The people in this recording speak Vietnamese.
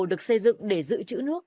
được xây dựng để giữ chữ nước